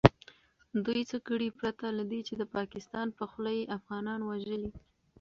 دوئ څه کړي پرته له دې چې د پاکستان په خوله يې افغانان وژلي .